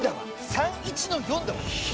３１の４だわ。